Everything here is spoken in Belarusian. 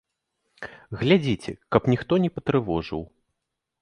Глядзіце, каб ніхто не патрывожыў!